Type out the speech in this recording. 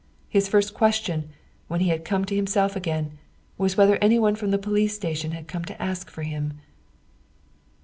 His first question, when he had come to himself again, was whether anyone from the police station had come to ask for him.